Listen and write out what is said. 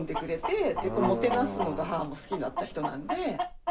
もてなすのが母も好きだった人なんで。